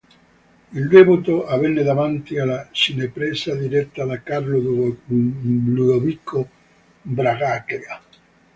Il debutto avvenne davanti alla cinepresa diretta da Carlo Ludovico Bragaglia.